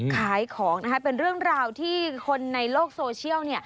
ขายของเป็นเรื่องราวที่คนในโลกโซเชียล